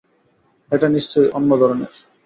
এটা নিশ্চয়ই অন্য ধরনের!